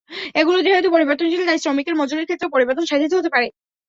এগুলো যেহেতু পরিবর্তনশীল, তাই শ্রমিকের মজুরির ক্ষেত্রেও পরিবর্তন সাধিত হতে পারে।